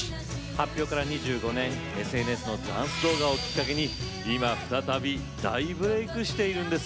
発表から２５年ＳＮＳのダンス動画をきっかけに今、再び大ブレークしているんです。